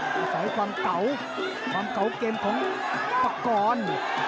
อส๋าความเก๋าเกมของปกรณ์